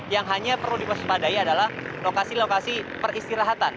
yang hanya perlu diwaspadai adalah lokasi lokasi peristirahatan